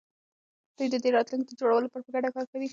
دوی د دې راتلونکي د جوړولو لپاره په ګډه کار کوي.